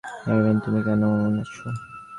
Haerin তুমি কেমন আছ?